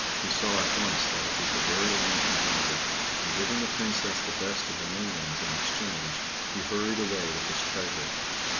He saw at once that it was the very lamp he wanted, and giving the Princess the best of the new ones in exchange, he hurried away with his treasure.